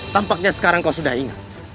tampaknya sekarang kau sudah ingat